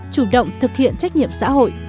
chủ động thực hiện trách nhiệm xã hội